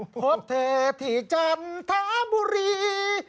พบเธอที่จันทบุรี